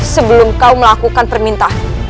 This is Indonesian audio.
sebelum kau melakukan permintaan